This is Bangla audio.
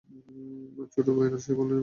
তার ছোট ভাই রাজশাহী কলেজে পড়ে।